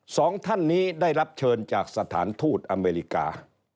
สองท่านนี้ได้รับเชิญจากสถานทูตอเมริกา